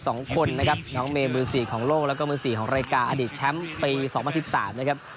รอบ๓๒คนนะครับน้องเมย์มือสี่ของโลกแล้วก็มือสี่ของรายการอดีตแชมป์ปี๒๐๑๓นะครับ